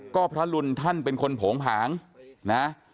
ก็พระรุนท่านเป็นคนโผงผางนะ